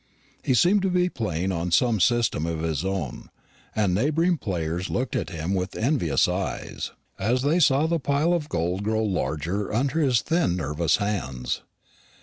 He seemed to be playing on some system of his own; and neighbouring players looked at him with envious eyes, as they saw the pile of gold grow larger under his thin nervous hands.